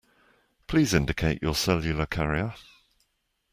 Please indicate your cellular carrier.